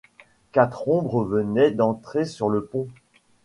Quatre ombres venaient d’entrer sur le pont.